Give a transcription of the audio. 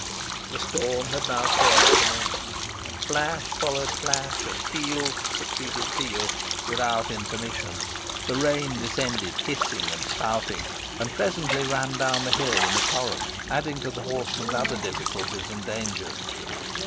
The storm had now fairly commenced. Flash followed flash, and peal succeeded peal, without intermission. The rain descended hissing and spouting, and presently ran down the hill in a torrent, adding to the horseman's other difficulties and dangers.